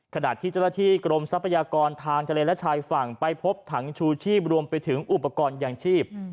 ขณะที่เจ้าหน้าที่กรมทรัพยากรทางทะเลและชายฝั่งไปพบถังชูชีพรวมไปถึงอุปกรณ์ยางชีพ